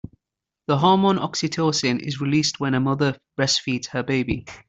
The hormone oxytocin is released when a mother breastfeeds her baby.